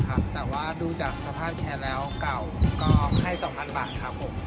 แต่ว่าดูจากสภาพแชร์แล้วเก่าก็ให้๒๐๐บาทครับผม